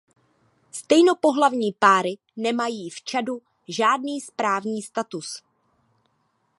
Stejnopohlavní páry nemají v Čadu žádný právní status.